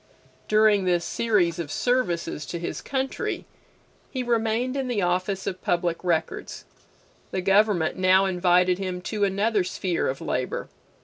During this series of services to his country, he remained in the office of Public Records. The government now invited him to another sphere of labor.